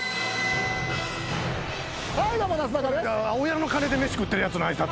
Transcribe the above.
親の金で飯食ってるやつの挨拶。